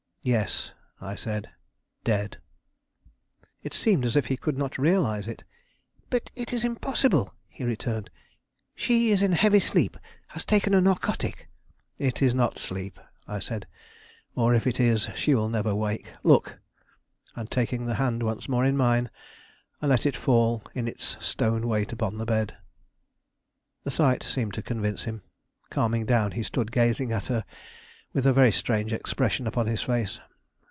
"Yes," I said, "dead." It seemed as if he could not realize it. "But it is impossible!" he returned. "She is in a heavy sleep, has taken a narcotic " "It is not sleep," I said, "or if it is, she will never wake. Look!" And, taking the hand once more in mine, I let it fall in its stone weight upon the bed. The sight seemed to convince him. Calming down, he stood gazing at her with a very strange expression upon his face.